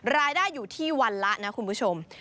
รายได้อยู่ที่วันละนะคุณผู้ชม